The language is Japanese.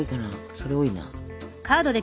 それ多いな。